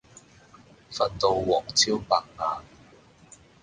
瞓到黃朝百晏